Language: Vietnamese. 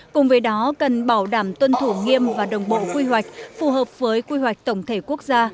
cùng với đó cần bảo đảm tuân thủ nghiêm và đồng bộ quy hoạch phù hợp với quy hoạch tổng thể quốc gia